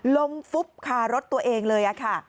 ฟุบคารถตัวเองเลยค่ะ